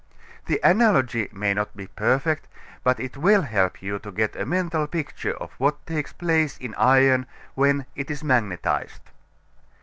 The analogy may not be perfect, but it will help you to get a mental picture of what takes place in iron when it is magnetized.